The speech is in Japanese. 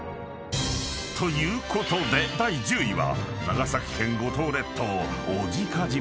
［ということで第１０位は長崎県五島列島小値賀島